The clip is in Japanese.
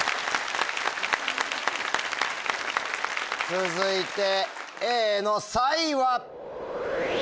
続いてＡのサイは？